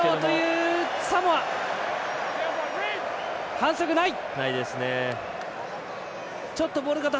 反則ない！